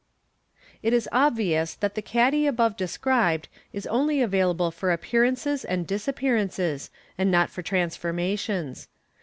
It is obvious that the caddy above described is only available for appearances and disappear ances, and not for transformations.